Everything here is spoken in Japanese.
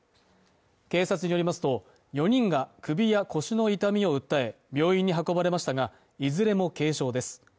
警察によりますと、４人が首や腰の痛みを訴え、病院に運ばれましたがいずれも軽傷です。